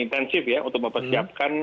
intensif untuk mempersiapkan